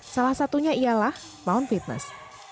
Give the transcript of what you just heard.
salah satunya ialah mount fitness